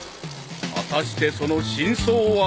［果たしてその真相は］